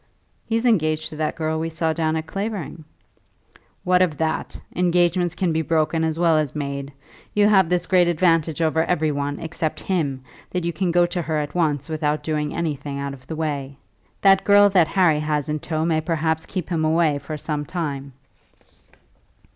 "He's engaged to that girl we saw down at Clavering." "What matters that? Engagements can be broken as well as made. You have this great advantage over every one, except him, that you can go to her at once without doing anything out of the way. That girl that Harry has in tow may perhaps keep him away for some time."